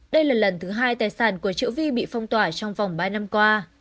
đây là lần thứ hai tài sản của triệu vi bị phong tỏa trong vòng ba năm qua